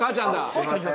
すみません